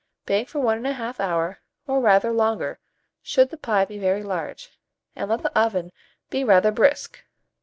Bake for 1 1/2 hour, or rather longer, should the pie be very large, and let the oven be rather brisk.